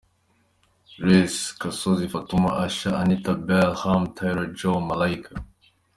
Ras Kasozi Fatuma Asha Anita Beryl Sham Tyra Joe Malaika.